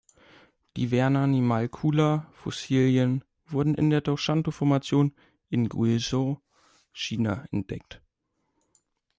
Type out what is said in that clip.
Die "Vernanimalcula"-Fossilien wurden in der Doushantuo-Formation in Guizhou, China entdeckt.